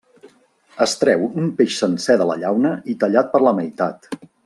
Es treu un peix sencer de la llauna i tallat per la meitat.